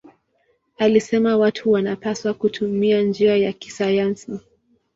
Alisema watu wanapaswa kutumia njia ya kisayansi.